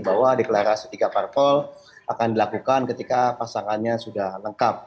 bahwa deklarasi tiga parpol akan dilakukan ketika pasangannya sudah lengkap